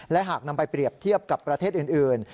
และหากนำไปเปรียบเทียบกับประเทศอื่น